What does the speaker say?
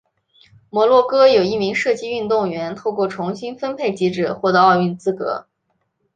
摩洛哥有一名射击运动员透过重新分配机制获得奥运资格。